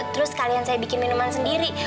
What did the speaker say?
terus kalian saya bikin minuman sendiri